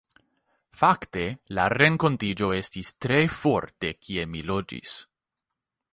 Fakte la renkontiĝo estis tre for de kie mi loĝis.